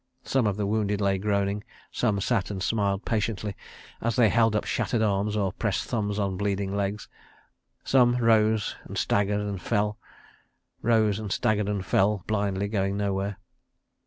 Some of the wounded lay groaning; some sat and smiled patiently as they held up shattered arms or pressed thumbs on bleeding legs; some rose and staggered and fell, rose and staggered and fell, blindly going nowhere.